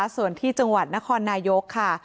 ส่วนที่จังหวัดนครนายกค่ะ